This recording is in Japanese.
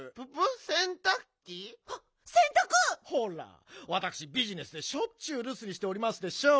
ほらわたくしビジネスでしょっちゅうるすにしておりますでしょう。